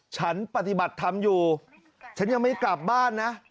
ปฏิบัติธรรมอยู่ฉันยังไม่กลับบ้านนะ